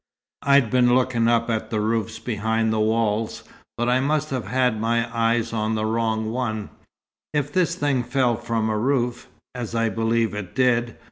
I'd been looking up at the roofs behind the walls, but I must have had my eyes on the wrong one, if this thing fell from a roof, as I believe it did.